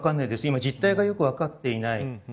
今、実体がよく分かっていない。